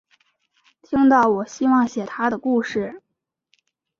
听到我希望写她的故事